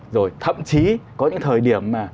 rồi thậm chí có những thời điểm mà